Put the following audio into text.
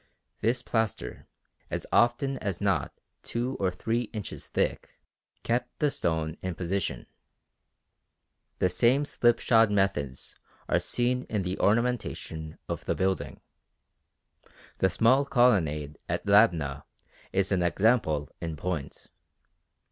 This plaster, as often as not two or three inches thick, kept the stone in position. The same slipshod methods are seen in the ornamentation of the building. The small colonnade at Labna is an example in point.